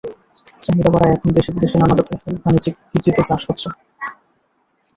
চাহিদা বাড়ায় এখন দেশি-বিদেশি নানা জাতের ফুল বাণিজ্যিক ভিত্তিতে চাষ হচ্ছে।